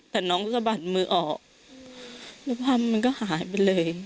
แต่น้องก็สะบัดมือออกแล้วภาพมันก็หายไปเลย